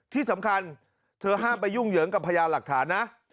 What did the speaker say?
ที่สำคัญเธอห้ามไปยุ่งเหยิงกับพยานหลักฐานนะ